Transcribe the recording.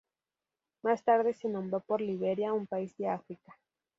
Más tarde se nombró por Liberia, un país de África.